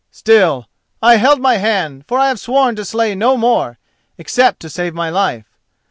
Still, I held my hand, for I have sworn to slay no more, except to save my life.